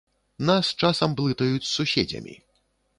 Нас часам блытаюць з суседзямі.